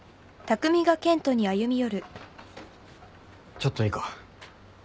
ちょっといいか？